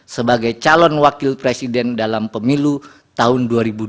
sebagai calon wakil presiden dalam pemilu tahun dua ribu dua puluh